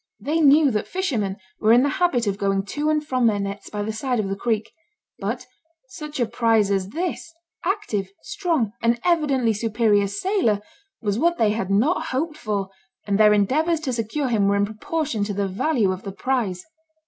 They knew that fishermen were in the habit of going to and from their nets by the side of the creek; but such a prize as this active, strong, and evidently superior sailor, was what they had not hoped for, and their endeavours to secure him were in proportion to the value of the prize.